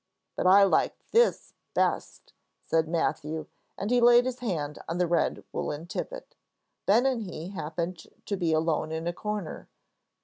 "But I like this best," said Matthew, and he laid his hand on the red woollen tippet. Ben and he happened to be alone in a corner.